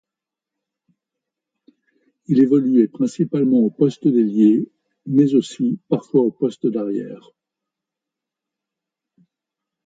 Il évoluait principalement au poste d'ailier mais aussi parfois au poste d'arrière.